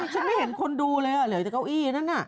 ฉันไม่เห็นคนดูเลยเหลือแต่เก้าอี้นั่นน่ะ